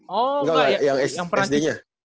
oh gak ya yang sd nya